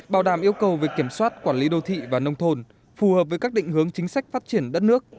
bảo đảm yêu cầu về kiểm soát quản lý đô thị và nông thôn phù hợp với các định hướng chính sách phát triển đất nước